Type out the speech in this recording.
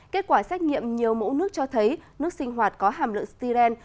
kết quả xét nghiệm nhiều mẫu nước cho thấy nước sinh hoạt có hàm lượng styren